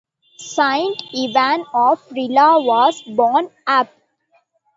Saint Ivan of Rila was born app.